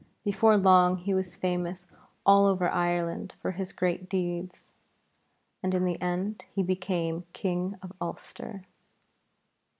Before long he was famous all over Ireland for his great deeds, and in the end he became King of Ulster.